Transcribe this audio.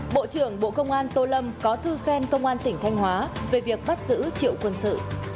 bộ trưởng bộ công an tô lâm có thư khen công an tỉnh thanh hóa về việc bắt giữ triệu quân sự